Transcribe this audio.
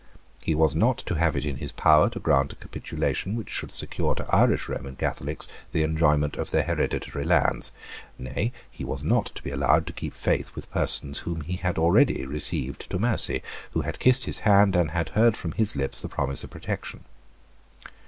He was not to have it in his power to grant a capitulation which should secure to Irish Roman Catholics the enjoyment of their hereditary lands. Nay, he was not to be allowed to keep faith with persons whom he had already received to mercy, who had kissed his hand, and had heard from his lips the promise of protection.